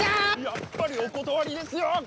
やっぱりお断りですよ！